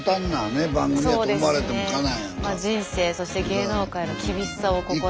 人生そして芸能界の厳しさをここで。